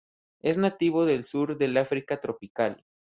Es nativo del sur del África tropical.